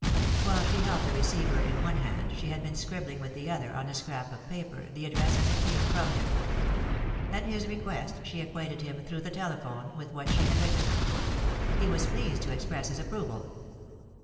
While she held the receiver m one hand she had been scribbling with the other, on a scrap of paper, the address as it came from him. At his request she 195 3i 9 iii^d by Google THE INTERRUPTED KISS acquainted turn, through the telephone, with what she had written. He was pleased to express his approval.